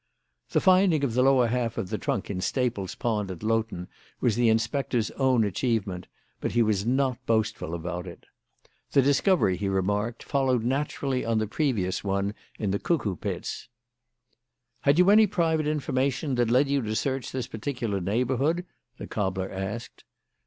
The finding of the lower half of the trunk in Staple's Pond at Loughton was the inspector's own achievement, but he was not boastful about it. The discovery, he remarked, followed naturally on the previous one in the Cuckoo Pits. "Had you any private information that led you to search this particular neighbourhood?" the cobbler asked.